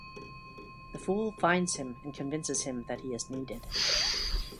The Fool finds him and convinces him that he is needed.